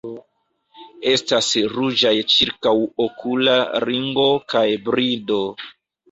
Estas ruĝaj ĉirkaŭokula ringo kaj brido.